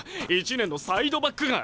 １年のサイドバックが。